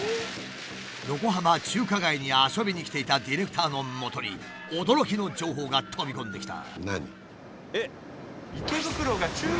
横浜中華街に遊びに来ていたディレクターのもとに驚きの情報が飛び込んできた。